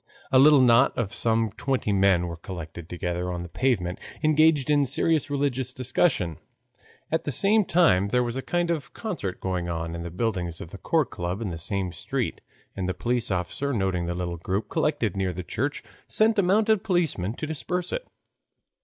A little knot of some twenty men were collected together on the pavement, engaged in serious religious discussion. At the same time there was a kind of concert going on in the buildings of the Court Club in the same street, and a police officer noticing the little group collected near the church sent a mounted policeman to disperse it.